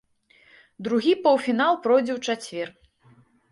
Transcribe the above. Другі паўфінал пройдзе ў чацвер.